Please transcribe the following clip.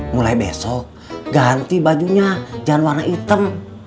mulai besok ganti bajunya dan warna hitam